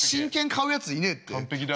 完璧だ。